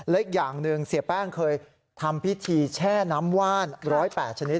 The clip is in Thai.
อีกอย่างหนึ่งเสียแป้งเคยทำพิธีแช่น้ำว่าน๑๐๘ชนิด